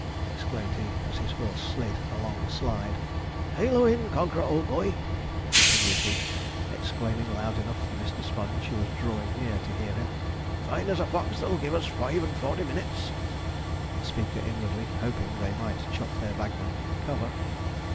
exclaimed he, as his horse slid a long slide. 'He leu, in! Conqueror, old boy!' continued he, exclaiming loud enough for Mr. Sponge who was drawing near to hear, 'find us a fox that'll give us five and forty minnits!' the speaker inwardly hoping they might chop their bagman in cover.